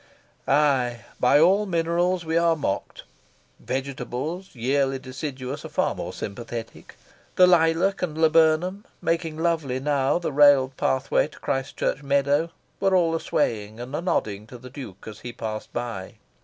Aye, by all minerals we are mocked. Vegetables, yearly deciduous, are far more sympathetic. The lilac and laburnum, making lovely now the railed pathway to Christ Church meadow, were all a swaying and a nodding to the Duke as he passed by.